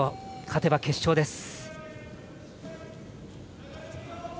勝てば決勝です。